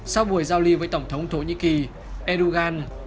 sau buổi giao lưu với tổng thống thổ nhĩ kỳ erdogan